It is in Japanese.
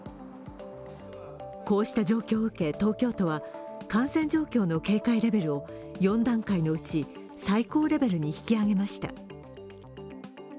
こうした状況を受け、東京都は感染状況の警戒レベルを４段階のうち、最高レベルに引き上げました。